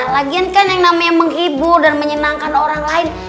lagian kan yang namanya menghibur dan menyenangkan orang lain